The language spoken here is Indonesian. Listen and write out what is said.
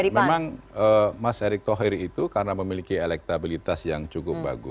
jadi memang mas erick thohir itu karena memiliki elektabilitas yang cukup bagus